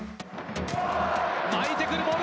巻いてくるボール。